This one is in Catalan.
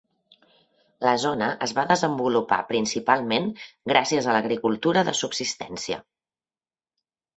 La zona es va desenvolupar principalment gràcies a l'agricultura de subsistència.